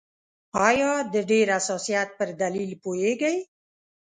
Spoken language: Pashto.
آیا د ډېر حساسیت پر دلیل پوهیږئ؟